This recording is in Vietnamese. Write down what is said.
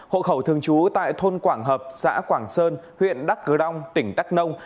hộ khẩu thường trú tại thôn quảng hợp xã quảng sơn huyện đắk cờ đông tỉnh đắk nông